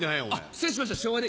失礼しました昭和で。